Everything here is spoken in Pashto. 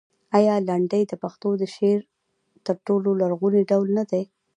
آیا لنډۍ د پښتو د شعر تر ټولو لرغونی ډول نه دی؟